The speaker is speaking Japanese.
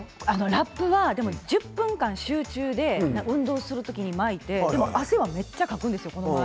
ラップは１０分間集中で運動する時に巻いて、でも汗はめっちゃかくんですよ。